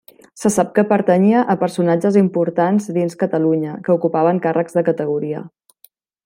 Se sap que pertanyia a personatges importants dins Catalunya, que ocupaven càrrecs de categoria.